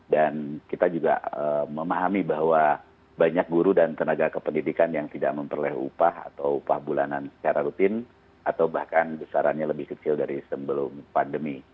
dan kita juga memahami bahwa banyak guru dan tenaga kependidikan yang tidak memperoleh upah atau upah bulanan secara rutin atau bahkan besarannya lebih kecil dari sebelum pandemi